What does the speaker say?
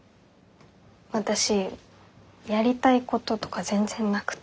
私やりたいこととか全然なくて。